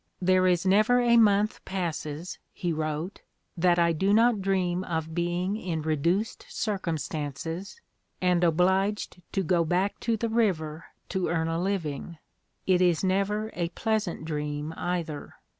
"There is never a month passes," he wrote, "that I do not dream of being in reduced circumstances, and obliged to go back to the river to earn a living. It is never a pleasant dream, either.